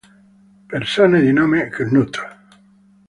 Persone di nome Knut